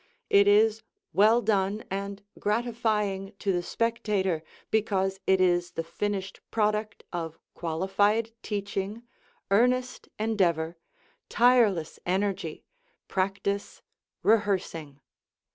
It is well done and gratifying to the spectator because it is the finished product of qualified teaching, earnest endeavor, tireless energy, practice, rehearsing.